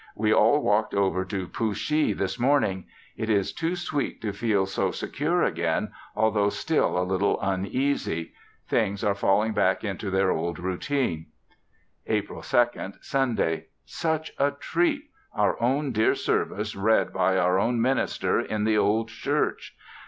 We all walked over to Pooshee this morning; it is too sweet to feel so secure again, altho' still a little uneasy; things are falling back into their old routine. April 2, Sunday. Such a treat! Our own dear service read by our own minister, in the old church!